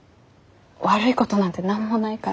悪いことなんて何もないから。